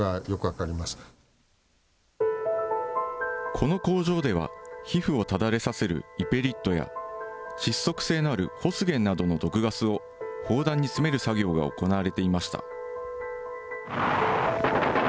この工場では、皮膚をただれさせるイペリットや、窒息性のあるホスゲンなどの毒ガスを砲弾に詰める作業が行われていました。